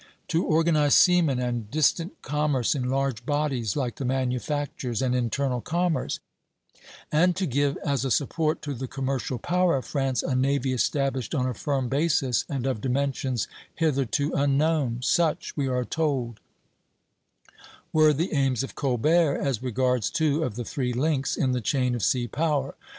To organize seamen and distant commerce in large bodies like the manufactures and internal commerce, and to give as a support to the commercial power of France a navy established on a firm basis and of dimensions hitherto unknown," such, we are told, were the aims of Colbert as regards two of the three links in the chain of sea power.